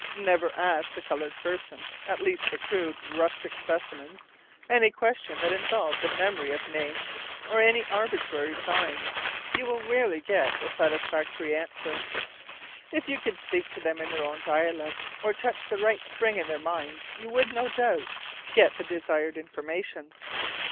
Never ask a colored person at least the crude, rustic specimens any question that involves a memory of names, or any arbitrary signs; you will rarely get a satisfactory answer. If you could speak to them in their own dialect, or touch the right spring in their minds, you would, no doubt, get the desired information.